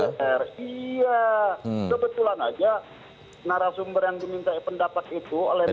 kebetulan aja narasumber yang diminta pendapat itu oleh